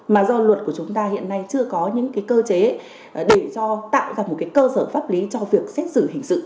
mà do luật của chúng ta hiện nay chưa có những cơ chế để cho tạo ra một cái cơ sở pháp lý cho việc xét xử hình sự